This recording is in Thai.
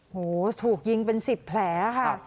โหถูกยิงเป็น๑๐แผลค่ะ